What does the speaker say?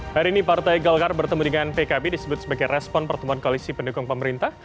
hari ini partai golkar bertemu dengan pkb disebut sebagai respon pertemuan koalisi pendukung pemerintah